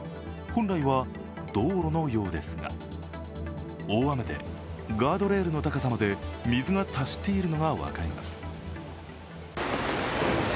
本来は道路のようですが、大雨でガードレールの高さまで水が達しているのが分かります。